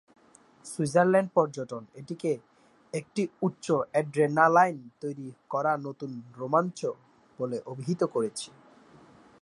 Switzerland পর্যটন এটিকে "একটি উচ্চ-অ্যাড্রেনালাইন তৈরী করা নতুন রোমাঞ্চ" বলে অভিহিত করেছে।